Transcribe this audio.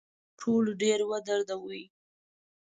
تر ټولو ډیر ودردوي.